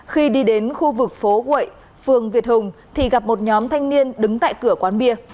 khi đi đến khu vực phố gậy phường việt hùng thì gặp một nhóm thanh niên đứng tại cửa quán bia